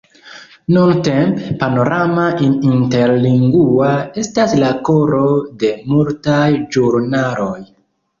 Nuntempe, Panorama In Interlingua estas la koro de multaj ĵurnaloj.